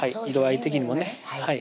色合い的にもね